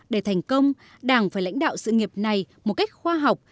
để thành công đảng phải lãnh đạo sự nghiệp này một cách khoa học